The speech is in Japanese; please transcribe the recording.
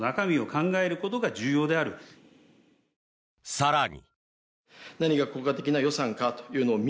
更に。